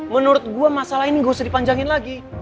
menurut gue masalah ini gak usah dipanjangin lagi